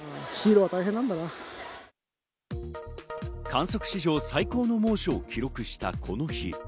観測史上最高の猛暑を記録したこの日。